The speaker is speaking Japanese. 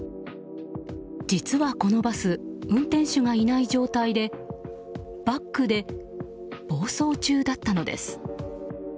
実は、このバス運転手がいない状態でバックで暴走中だったのです。